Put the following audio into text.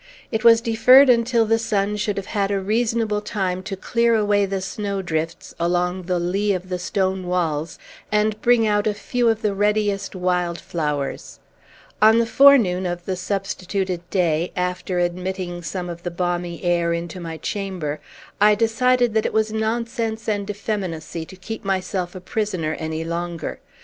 It was deferred until the sun should have had a reasonable time to clear away the snowdrifts along the lee of the stone walls, and bring out a few of the readiest wild flowers. On the forenoon of the substituted day, after admitting some of the balmy air into my chamber, I decided that it was nonsense and effeminacy to keep myself a prisoner any longer.